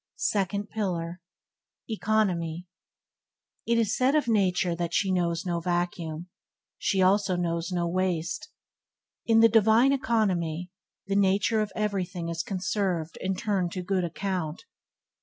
3. Second pillar – Economy It is said of Nature that she knows on vacuum. She also knows no waste. In the divine economy my Nature everything is conserved and turned to good account.